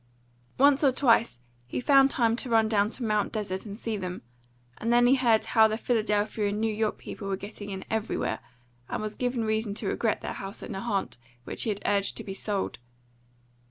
Once or twice he found time to run down to Mt. Desert and see them; and then he heard how the Philadelphia and New York people were getting in everywhere, and was given reason to regret the house at Nahant which he had urged to be sold.